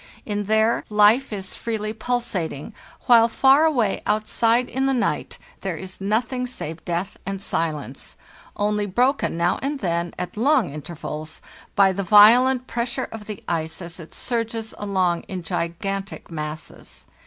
In there, life is freely pulsating, 42 PARDTH ES! "NORD while far away outside in the night there is nothing save death and silence, only broken now and then, at long intervals, by the violent pressure of the ice as it surges along in gigantic masses.